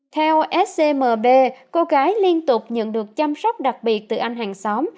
theo scmb cô gái liên tục nhận được chăm sóc đặc biệt từ anh hàng xóm